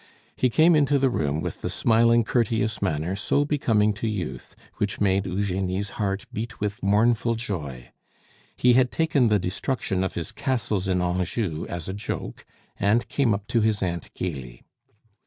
He came into the room with the smiling, courteous manner so becoming to youth, which made Eugenie's heart beat with mournful joy. He had taken the destruction of his castles in Anjou as a joke, and came up to his aunt gaily.